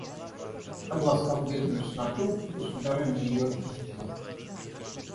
Обласкав бедную сироту, государыня ее отпустила.